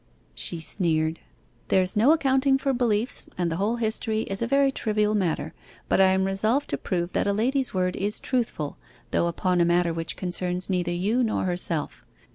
She sneered. 'There's no accounting for beliefs, and the whole history is a very trivial matter; but I am resolved to prove that a lady's word is truthful, though upon a matter which concerns neither you nor herself.